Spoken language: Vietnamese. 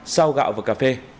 sau gạo và cà phê